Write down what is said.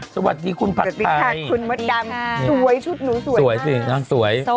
สวัสดีคุณผัดดีค่ะคุณมดดำสวยชุดหนูสวยสวยสินางสวย